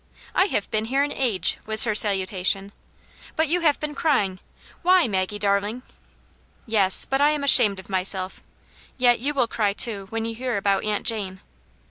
"I have been here an age," was her salutation. "But you have been cryvtv^. N^V7>'^^'?,'g^^d'w:lm^I" Aunt Janets Hero. 24X " Yes, but I am ashamed of myself. Yet you will ciy, too, when you hear about Aunt Jane."